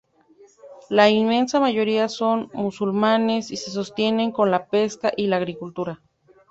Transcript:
La inmensa mayoría son musulmanes y se sostienen con la pesca y la agricultura.